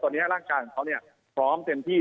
ตอนนี้ร่างกายของเขาพร้อมเต็มที่